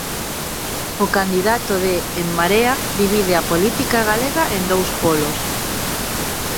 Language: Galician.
O candidato de En Marea divide a política galega en dous polos.